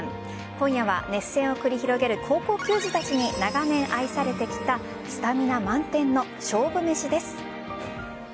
今夜は熱戦を繰り広げる高校球児たちに長年愛されてきたスタミナ満点の勝負めしです。